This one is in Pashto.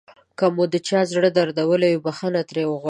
که مو د چا زړه دردولی وي بښنه ترې وغواړئ.